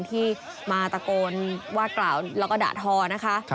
ที่มาตะโกนว่ากล่าวแล้วก็ด่าทอนะคะ